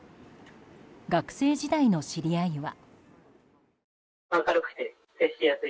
学生時代の知り合いは。